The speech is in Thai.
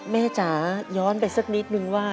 จ๋าย้อนไปสักนิดนึงว่า